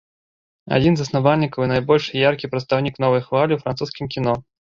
Адзін з заснавальнікаў і найбольш яркі прадстаўнік новай хвалі ў французскім кіно.